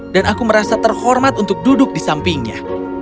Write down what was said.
dan aku merasa terhormat untuk duduk di sampingnya